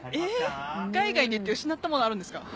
海外に行って失ったもの、あるんですか？